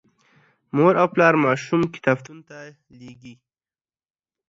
مور او پلار ماشوم کتابتون ته لیږي.